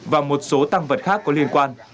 và một số tăng vật khác có liên quan